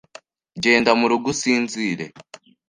Genda murugo usinzire.